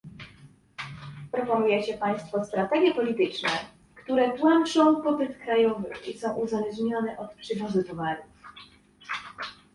Proponujecie Państwo strategie polityczne, które tłamszą popyt krajowy i są uzależnione od przywozu towarów